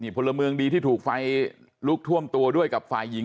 พลเมืองดีที่ถูกไฟลุกท่วมตัวด้วยกับฝ่ายหญิง